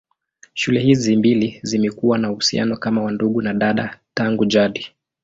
Shule hizi mbili zimekuwa na uhusiano kama wa ndugu na dada tangu jadi.